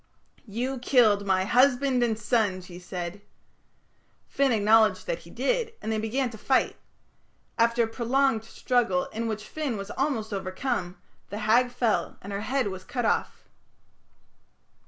'You killed my husband and son,' she said." Finn acknowledged that he did, and they began to fight. After a prolonged struggle, in which Finn was almost overcome, the Hag fell and her head was cut off.